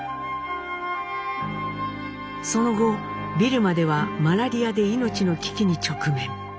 その後ビルマではマラリアで命の危機に直面。